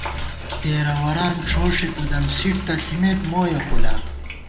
ڈېرَوَران ݭوݭےپُدم سِیٹ تہ ݪِمېت مو یېکُولا